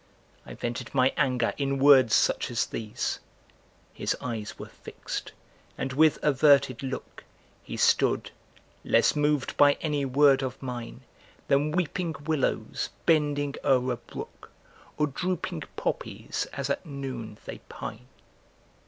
I vented my anger in words such as these. His eyes were fixed, and with averted look He stood, less moved by any word of mine Than weeping willows bending o'er a brook Or drooping poppies as at noon they pine.